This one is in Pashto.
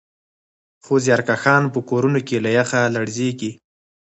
خو زیارکښان په کورونو کې له یخه لړزېږي